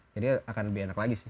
jadi akan lebih enak lagi sih